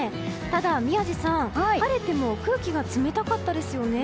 ただ宮司さん、晴れても空気が冷たかったですよね。